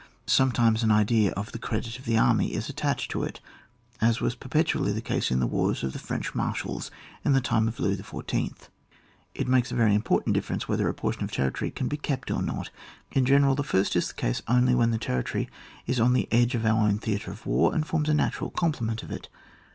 Sometimes an idea of the credit of the army is attached to it, as was perpetually the case in the wars of the French Mar shals in the time of Louis XIY. It makes a very important difference whe ther a portion of territory can be kept or not. In general, the first is the case only when the territory is on the edge of our own theatre of war, and forms a natural complement of it.